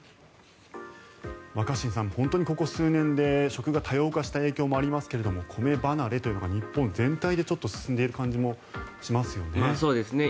若新さん、本当にここ数年で食が多様化した影響もありますけど米離れというのが日本全体でちょっと進んでいる感じもしますよね。